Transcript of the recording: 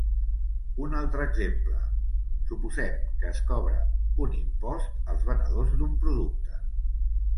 Un altre exemple: suposem que es cobra un impost als venedors d'un producte.